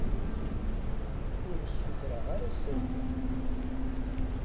Ur sutreɣ ara serdin.